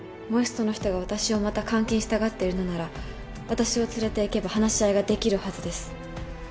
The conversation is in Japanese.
もしその人が私をまた監禁したがってるのなら私を連れていけば話し合いができるはずです。